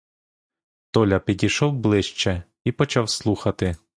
Толя підійшов ближче і почав слухати.